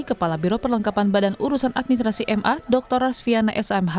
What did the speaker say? kepala biro perlengkapan badan urusan administrasi ma dr rosviana s m h